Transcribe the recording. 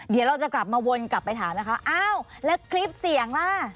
เดี๋ยวเราจะกลับมาวนกลับไปถามนะคะอ้าวแล้วคลิปเสียงล่ะ